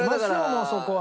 もうそこは。